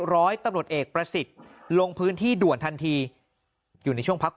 ร้อยตำรวจเอกประสิทธิ์ลงพื้นที่ด่วนทันทีอยู่ในช่วงพัก